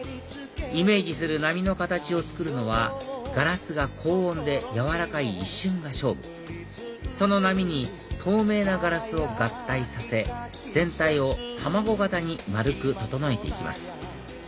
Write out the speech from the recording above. イメージする波の形を作るのはガラスが高温で柔らかい一瞬が勝負その波に透明なガラスを合体させ全体を卵形に丸く整えて行きます